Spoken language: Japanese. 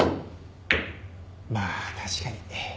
まあ確かに。